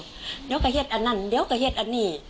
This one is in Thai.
มันก็เครื่องการเช่นนั้นมันก็เครื่องการเช่นนี่